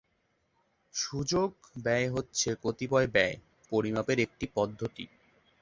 সুযোগ ব্যয় হচ্ছে কতিপয় ব্যয় পরিমাপের একটি পদ্ধতি।